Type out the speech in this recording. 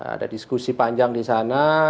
ada diskusi panjang di sana